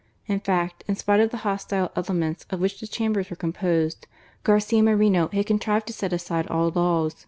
In fact, in spite of the hostile elements of which the Chambers were composed, Garcia Moreno had contrived to set aside all laws REFORMS.